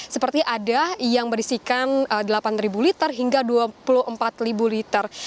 seperti ada yang berisikan delapan liter hingga dua puluh empat liter